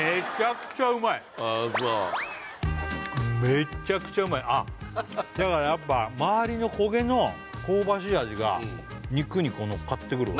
めっちゃくちゃうまいあっだからやっぱ周りの焦げの香ばしい味が肉に乗っかってくるわ